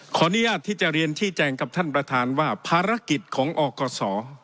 ขออนุญาตที่จะเรียนชี้แจงกับท่านประธานว่าภารกิจของอกศ